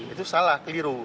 itu salah keliru